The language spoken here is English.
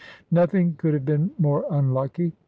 Nothing could have been more unlucky.